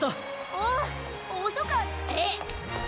おうおそかえっ！？